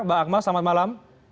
mbak akmal selamat malam